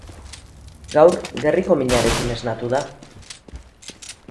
Gaur gerriko minarekin esnatu da.